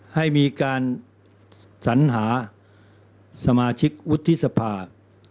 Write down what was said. ให้มีการสัญหาสมาชิกวุฒิสภา